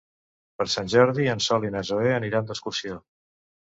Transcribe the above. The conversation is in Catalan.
Per Sant Jordi en Sol i na Zoè aniran d'excursió.